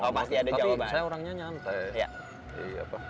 tapi saya orangnya nyantai